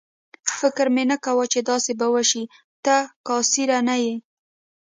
فکر مې نه کاوه چې داسې به وشي، ته کاسېره نه یې.